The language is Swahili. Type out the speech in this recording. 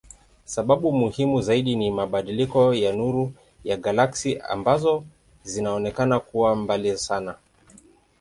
Sababu muhimu zaidi ni mabadiliko ya nuru ya galaksi ambazo zinaonekana kuwa mbali sana.